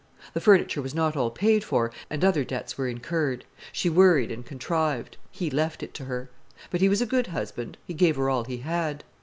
The furniture was not all paid for, and other debts were incurred. She worried and contrived, he left it to her. But he was a good husband; he gave her all he had.